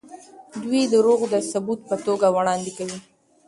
دوی دروغ د ثبوت په توګه وړاندې کوي.